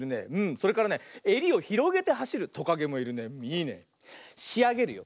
それからねえりをひろげてはしるトカゲもいるね。いいね。しあげるよ。